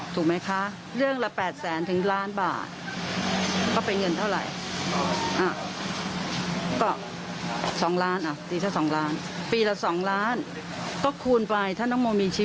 สมมุติละครปีละสองเรื่อง